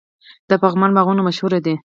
د پغمان باغونه مشهور دي.